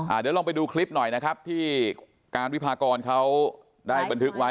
เดี๋ยวลองไปดูคลิปหน่อยนะครับที่การวิพากรเขาได้บันทึกไว้